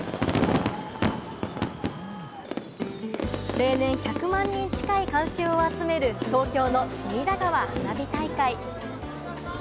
例年１００万人近い観衆を集める東京の隅田川花火大会。